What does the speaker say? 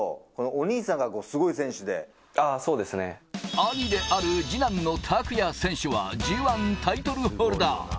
兄であるニ男の拓也選手はＧ１タイトルホルダー。